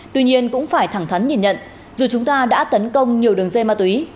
tuy nhiên cũng phải thẳng thắn nhìn nhận dù chúng ta đã tấn công nhiều đường dây ma túy